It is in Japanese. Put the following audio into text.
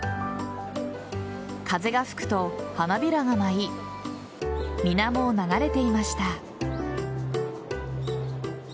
風が吹くと花びらが舞い水面を流れていました。